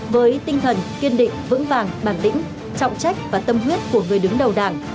với tinh thần kiên định vững vàng bản lĩnh trọng trách và tâm huyết của người đứng đầu đảng